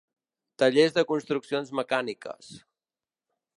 Tallers de construccions mecàniques.